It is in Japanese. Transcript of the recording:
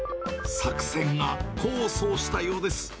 作戦が功を奏したようです。